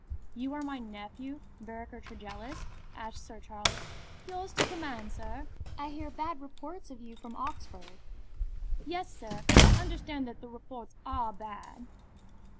"You are my nephew, Vereker Tregellis?" asked Sir Charles. "Yours to command, sir." "I hear bad reports of you from Oxford." "Yes, sir, I understand that the reports are bad."